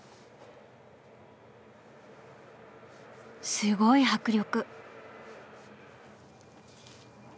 すごい迫力。